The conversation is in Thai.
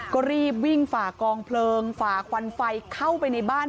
ก็รีบวิ่งฝ่ากองเพลิงฝ่าควันไฟเข้าไปในบ้าน